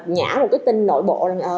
nhả một cái tin nội bộ